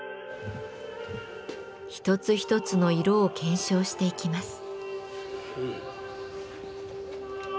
一つ一つの色を検証していきます。